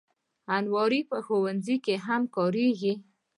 الماري په ښوونځي کې هم کارېږي